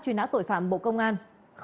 truy nã tội phạm bộ công an